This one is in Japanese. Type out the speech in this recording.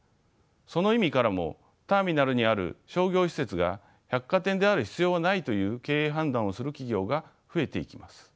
その意味からもターミナルにある商業施設が百貨店である必要はないという経営判断をする企業が増えていきます。